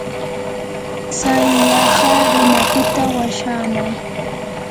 tsay yaqa runapita washaamay.